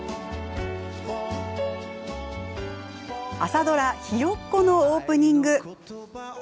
朝ドラ「ひよっこ」のオープニング。